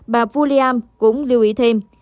bà pouliam cũng lưu ý thêm